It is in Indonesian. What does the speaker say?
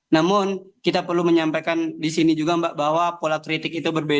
namun kita perlu menyampaikan di sini juga mbak bahwa pola kritik itu berbeda